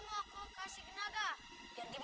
bisa penjualan telur